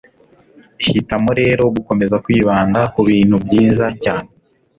hitamo rero gukomeza kwibanda kubintu byiza cyane